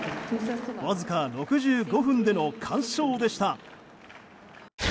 わずか６５分での完勝でした。